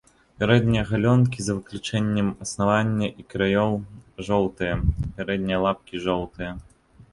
Пярэднія галёнкі за выключэннем аснавання і краёў жоўтыя, пярэднія лапкі жоўтыя.